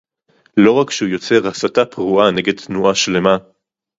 לא רק שהוא יוצר הסתה פרועה נגד תנועה שלמה